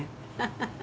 ハハハ。